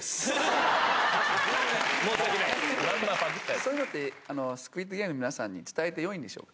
そういうのって、スクイッドゲームの皆さんに伝えてよいんでしょうか？